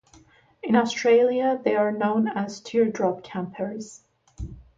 In Australia they are known as teardrop campers.